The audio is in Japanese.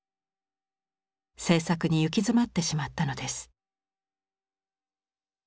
制作に行き詰まってしまったのです。